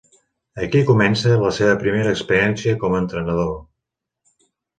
Aquí comença, la seva primera experiència com a entrenador.